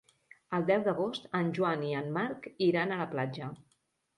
El deu d'agost en Joan i en Marc iran a la platja.